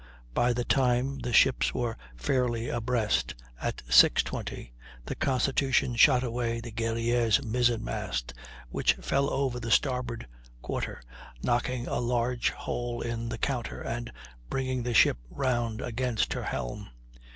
By the time the ships were fairly abreast, at 6.20, the Constitution shot away the Guerrière's mizzen mast, which fell over the starboard quarter, knocking a large hole in the counter, and bringing the ship round against her helm.